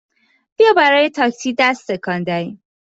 بیا برای تاکسی دست تکان دهیم!